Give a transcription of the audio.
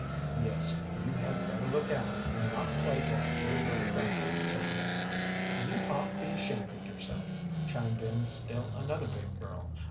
"Yes, you had better look out, and not plague that dear little thing," said the other. "You ought to be ashamed of yourself," chimed in still another big girl.